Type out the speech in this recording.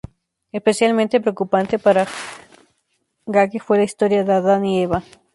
Especialmente preocupante para Gage fue la historia de Adán y Eva.